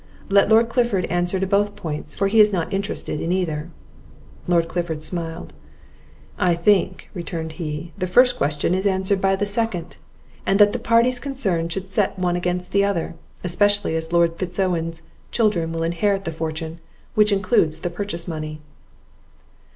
Let Lord Clifford answer to both points, for he is not interested in either." Lord Clifford smiled. "I think," returned he, "the first question is answered by the second, and that the parties concerned should set one against the other, especially as Lord Fitz Owen's children will inherit the fortune, which includes the purchase money."